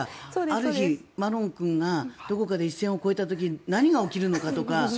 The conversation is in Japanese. ある日、マロン君がどこかで一線を越えた時に何が起きるのかとか。